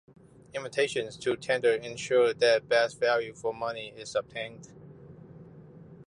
Invitations to tender ensure that best value for money is obtained.